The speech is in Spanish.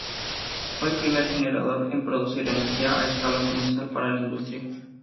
Fue el primer generador en producir energía a escala comercial para la industria.